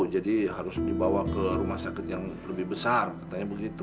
jadi harus dibawa ke rumah sakit yang lebih besar katanya begitu